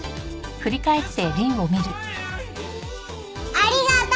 ありがとう。